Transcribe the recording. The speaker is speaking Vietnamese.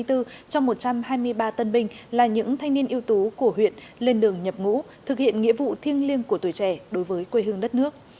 trong một trăm hai mươi ba tân binh là những thanh niên ưu tú của huyện lên đường nhập ngũ thực hiện nghĩa vụ thiêng liêng của tuổi trẻ đối với quê hương đất nước